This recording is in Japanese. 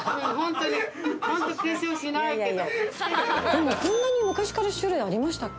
でもこんなに昔から種類ありましたっけ？